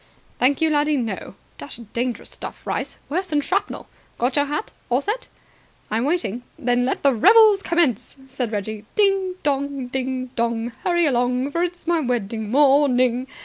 "Thank you, laddie, no. Dashed dangerous stuff, rice! Worse than shrapnel. Got your hat? All set?" "I'm waiting." "Then let the revels commence," said Reggie. "Ding dong! Ding Dong! Hurry along! For it is my wedding morning!